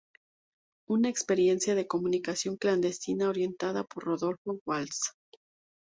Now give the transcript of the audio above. Una experiencia de comunicación clandestina orientada por Rodolfo Walsh".